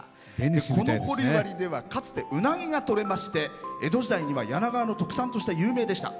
この掘割ではかつて、うなぎがとれまして江戸時代には柳川の特産として有名でした。